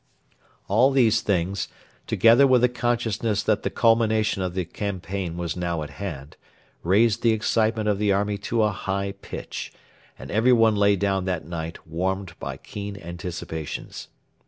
All these things, together with the consciousness that the culmination of the campaign was now at hand, raised the excitement of the army to a high pitch, and everyone lay down that night warmed by keen anticipations.